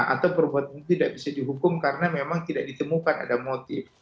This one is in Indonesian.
atau perbuatan itu tidak bisa dihukum karena memang tidak ditemukan ada motif